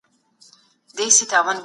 او د افغانستان تحفه ده.